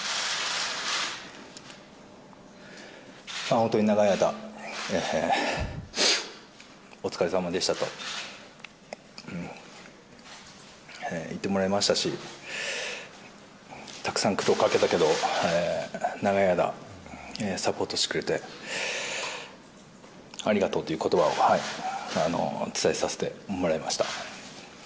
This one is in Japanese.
本当に長い間、お疲れさまでしたと言ってもらいましたし、たくさん苦労をかけたけど、長い間、サポートしてくれてありがとうっていうことばを伝えさせてもらいました。